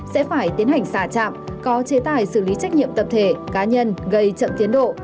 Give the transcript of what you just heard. sẽ phải tiến hành xả chạm có chế tài xử lý trách nhiệm tập thể cá nhân gây chậm tiến độ